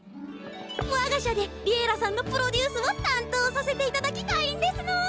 我が社で「Ｌｉｅｌｌａ！」さんのプロデュースを担当させて頂きたいんですの！